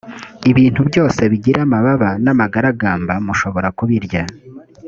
ibintu byose bigira amababa n’ amagaragamba mushobora kubirya